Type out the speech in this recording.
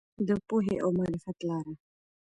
د پوهې او معرفت لاره.